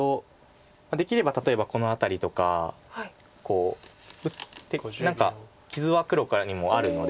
できれば例えばこの辺りとかこう打って何か傷は黒にもあるので。